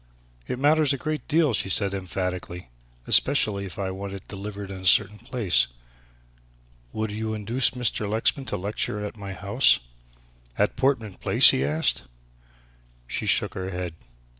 "It matters a great deal," she said emphatically, "especially if I want it delivered in a certain place. Would you induce Mr. Lexman to lecture at my house?" "At Portman Place!" he asked. She shook her head.